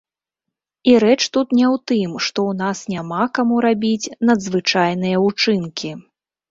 І рэч тут не ў тым, што ў нас няма каму рабіць надзвычайныя ўчынкі.